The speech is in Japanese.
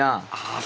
ああ